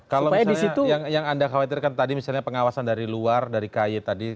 kalau misalnya yang anda khawatirkan tadi misalnya pengawasan dari luar dari kay tadi